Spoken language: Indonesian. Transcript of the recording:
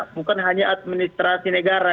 bukan hanya administrasi negara